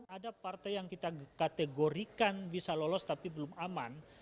ada partai yang kita kategorikan bisa lolos tapi belum aman